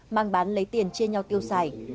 mang bán lấy tiền chia nhau tiêu xài